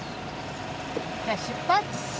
じゃあ出発！